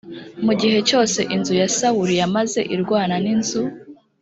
mu gihe cyose inzu ya sawuli yamaze irwana n inzu